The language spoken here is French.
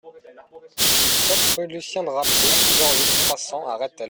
sept rue Lucien Drapier, zéro huit, trois cents à Rethel